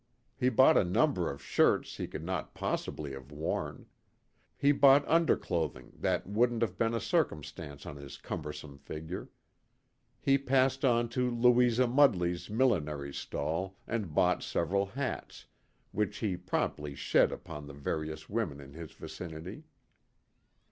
He bought a number of shirts he could not possibly have worn. He bought underclothing that wouldn't have been a circumstance on his cumbersome figure. He passed on to Louisa Mudley's millinery stall and bought several hats, which he promptly shed upon the various women in his vicinity.